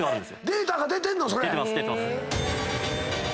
データが出てんの⁉それ。